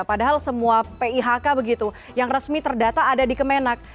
padahal semua pihk begitu yang resmi terdata ada di kemenak